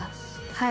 はい。